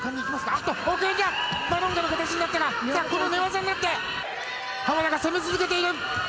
あっと、マロンガの形になったか、さあ、寝技になって、浜田が攻め続けている。